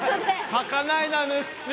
はかないなぬっしー！